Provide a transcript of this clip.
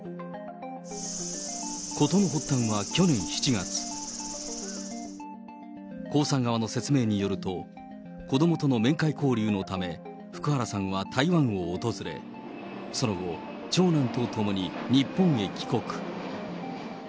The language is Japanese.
事の発端は去年７月、江さん側の説明によると、子どもとの面会交流のため、福原さんは台湾を訪れ、その後、長男と共に日本へ帰国。